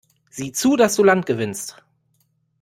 Sieh zu, dass du Land gewinnst!